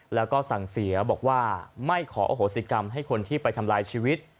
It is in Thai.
แล้วก็สั่งเสียบอกว่าไม่ขออโหสิกรรมให้คนที่ไปทำลายชีวิต